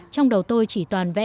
trong đầu tôi chỉ toàn vẽ